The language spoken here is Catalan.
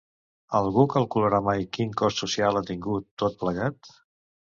Algú calcularà mai quin cost social ha tingut, tot plegat?